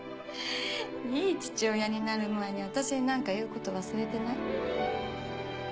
いい父親になる前に私に何か言うこと忘れてない？